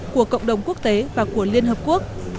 của cộng đồng quốc tế và của liên hợp quốc